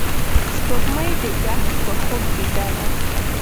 سپوږمۍ د کهف په خوب بیده ده